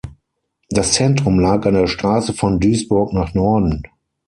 Das Zentrum lag an der Straße von Duisburg nach Norden.